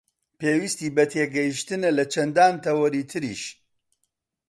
پێویستی بە تێگەیشتنە لە چەندان تەوەری تریش